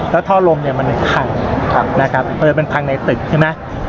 แล้วท่อลมเนี้ยมันขังนะครับเออมันพังในตึกใช่ไหม